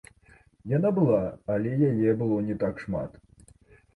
Яна была, але яе было не так шмат.